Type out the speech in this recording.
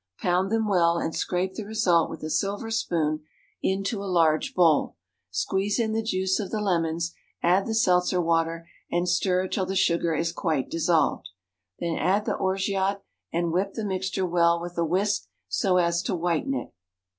Pound them well, and scrape the result with a silver spoon into a large bowl. Squeeze in the juice of the lemons, add the seltzer water, and stir till the sugar is quite dissolved. Then add the orgeat, and whip the mixture well with a whisk, so as to whiten it.